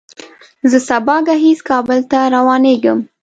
زه سبا ګهیځ کابل ته روانېږم.